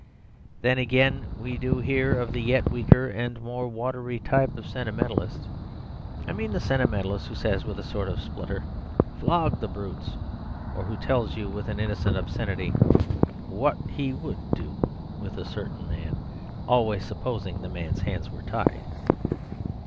Then, again, we do hear of the yet weaker and more watery type of sentimentalists: I mean the sentimentalist who says, with a sort of splutter, "Flog the brutes!" or who tells you with innocent obscenity "what he would do" with a certain man always supposing the man's hands were tied.